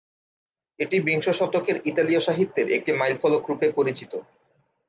এটি বিংশ শতকের ইতালীয় সাহিত্যের একটি মাইলফলক রূপে পরিচিত।